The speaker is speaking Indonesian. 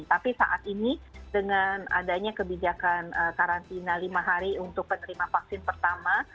tapi saat ini dengan adanya kebijakan karantina lima hari untuk penerima vaksin pertama